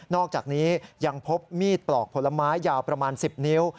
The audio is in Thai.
อกจากนี้ยังพบมีดปลอกผลไม้ยาวประมาณ๑๐นิ้ว